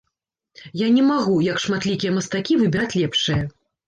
Я не магу, як шматлікія мастакі, выбіраць лепшае.